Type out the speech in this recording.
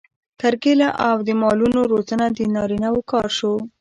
کرکیله او د مالونو روزنه د نارینه وو کار شو.